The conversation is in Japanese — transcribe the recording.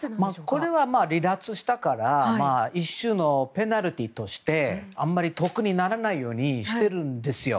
これは離脱したから一種のペナルティーとしてあまり得にならないようにしてるんですよ。